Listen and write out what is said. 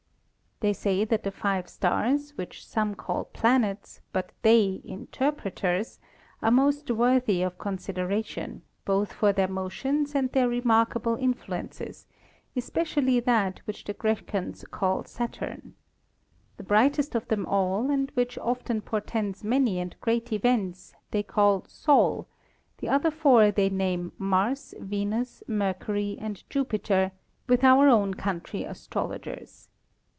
"They say that the Five Stars which some call Planets, but they Interpreters, are most worthy of Consideration, both for their motions and their remarkable influences, especially that which the Grecians call Saturn. The brightest of them all, and which often portends many and great Events, they call Sol, the other Four they name Mars, Venus, Mercury, and Jupiter, with our own Country Astrologers.